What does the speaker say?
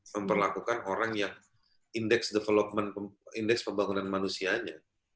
memperlakukan orang yang indeks pembangunan manusianya